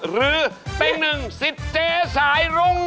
หรือเต้งหนึ่งสิดเจสายรุงครับ